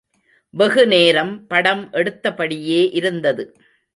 வெகுநேரம் படம் எடுத்தபடியே இருந்தது.